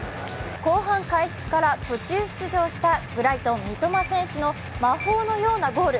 後半開始から途中出場したブライトン・三笘選手の魔法のようなゴール。